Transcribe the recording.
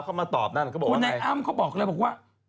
เข้ามาตอบนั่นเขาบอกว่าไงน้ายอ้ำเขาบอกเลยบอกว่า